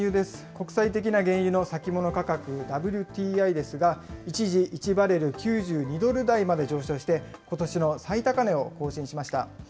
国際的な原油の先物価格ＷＴＩですが、一時１バレル９２ドル台まで上昇して、ことしの最高値を更新しました。